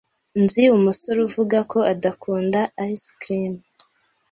Nzi umusore uvuga ko adakunda ice cream.